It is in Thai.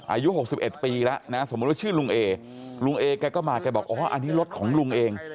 อายุ๖๑ปีแล้วนะสมมุติว่าชื่อลุงเอลุงเอแกก็มาแกบอกอ๋ออันนี้รถของลุงเอง